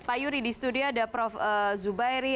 pak yuri di studio ada prof zubairi